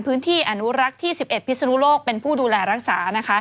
อนุรักษ์ที่๑๑พิศนุโลกเป็นผู้ดูแลรักษา